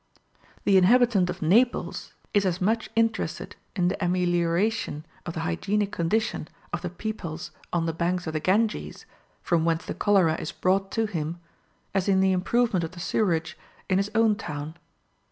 The inhabitant of Naples is as much interested in the amelioration of the hygienic condition of the peoples on the banks of the Ganges, from whence the cholera is brought to him, as in the improvement of the sewerage of his own town.